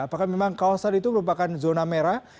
apakah memang kawasan itu merupakan zona merah